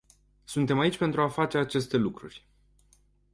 Suntem aici pentru a face aceste lucruri.